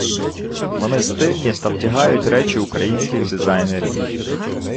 Вони стильні та вдягають речі українських дизайнерів.